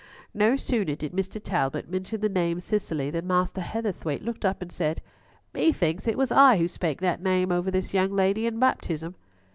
No sooner did Mr. Talbot mention the name Cicely than Master Heatherthwayte looked up and said—"Methinks it was I who spake that name over this young lady in baptism."